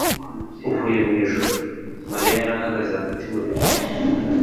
uvuye mu ijuru. » Mariya yari ahagaze hagati muri bo.